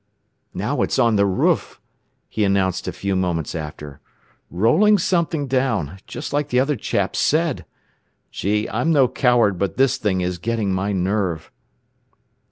"Now it's on the roof!" he announced a few moments after. "Rolling something down just like the other chaps said! Gee, I'm no coward, but this thing is getting my nerve."